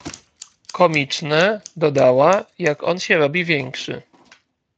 — Komiczne — dodała —jak on się robi większy.